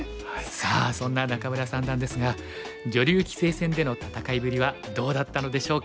さあそんな仲邑三段ですが女流棋聖戦での戦いぶりはどうだったのでしょうか。